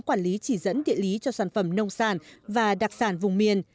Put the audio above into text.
quản lý chỉ dẫn địa lý cho sản phẩm nông sản và đặc sản vùng miền